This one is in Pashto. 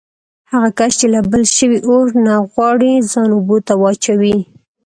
هغه کس چې له بل شوي اور نه غواړي ځان اوبو ته واچوي.